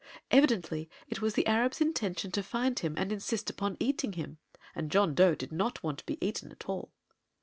Evidently it was the Arab's intention to find him and insist upon eating him; and John Dough did not want to be eaten at all.